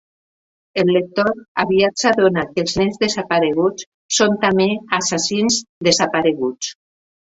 El lector aviat s'adona que els nens desapareguts són també assassins desapareguts.